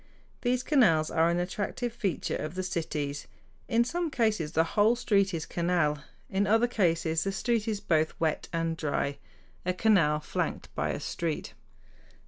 These canals are an attractive feature of the cities. In some cases the whole street is canal; in other cases the street is both "wet and dry" a canal flanked by a street.